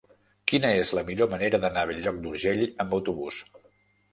Quina és la millor manera d'anar a Bell-lloc d'Urgell amb autobús?